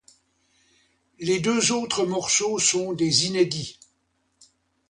Les deux autres morceaux sont des inédits.